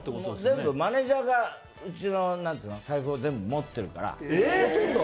全部マネージャーがうちの財布を持ってるから。